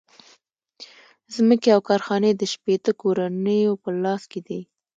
ځمکې او کارخانې د شپیته کورنیو په لاس کې دي